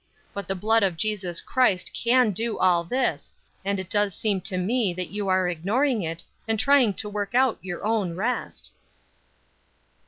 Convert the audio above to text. But the blood of Jesus Christ can do all this, and it does seem to me that you are ignoring it, and trying to work out your own rest."